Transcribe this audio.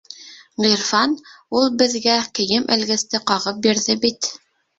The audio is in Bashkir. Ғирфан, ул беҙгә кейем элгесте ҡағып бирҙе бит.